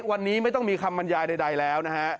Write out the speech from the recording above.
วันนี้ไม่ต้องมีคำบรรยายใดแล้วนะฮะ